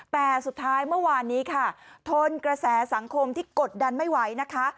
แต่สุดท้ายเมื่อวานนี้ค่ะทนกระแสสังคมที่กดดันไม่ไหวนะคะ